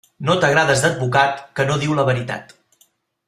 No t'agrades d'advocat, que no diu la veritat.